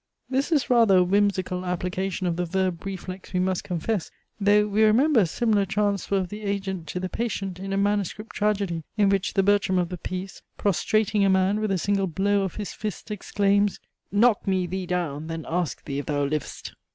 This is rather a whimsical application of the verb reflex we must confess, though we remember a similar transfer of the agent to the patient in a manuscript tragedy, in which the Bertram of the piece, prostrating a man with a single blow of his fist, exclaims "Knock me thee down, then ask thee if thou liv'st."